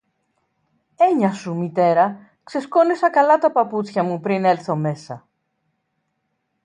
Έννοια σου, Μητέρα, ξεσκόνισα καλά τα παπούτσια μου πριν έλθω μέσα.